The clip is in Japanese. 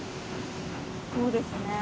そうですね。